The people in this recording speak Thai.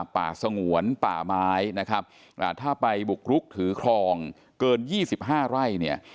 สงวนป่าไม้นะครับถ้าไปบุกรุกถือครองเกิน๒๕ไร่เนี่ย